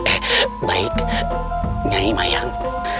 eh baik nyai mayang